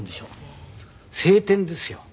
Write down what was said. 晴天ですよ。